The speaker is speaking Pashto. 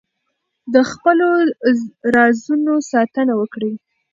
د خپلو رازونو ساتنه وکړئ.